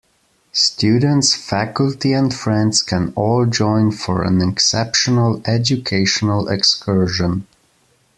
Students, faculty and friends can all join for an exceptional educational excursion.